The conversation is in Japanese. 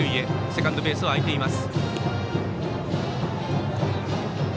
セカンドベースは空いています。